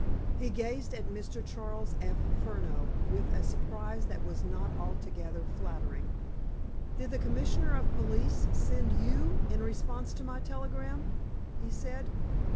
He gazed at Mr. Charles F. Furneaux with a surprise that was not altogether flattering. "Did the Commissioner of Police send you in response to my telegram?" he said.